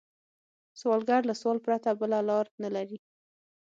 سوالګر له سوال پرته بله لار نه لري